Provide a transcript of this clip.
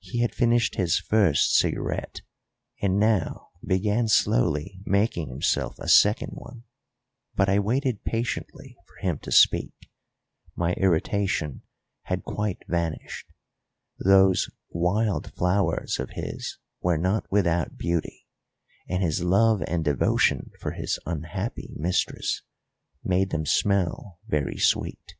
He had finished his first cigarette and now began slowly making himself a second one; but I waited patiently for him to speak, my irritation had quite vanished, those "wild flowers" of his were not without beauty, and his love and devotion for his unhappy mistress made them smell very sweet.